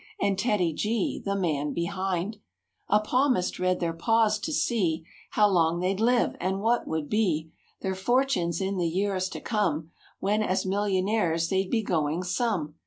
And TEDDY G, the man behind A palmist read their paws to see How long they'd live and what would be Their fortunes in the years to come When as millionaires they'd be going some.